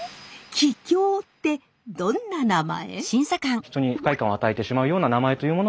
奇きょうってどんな名前？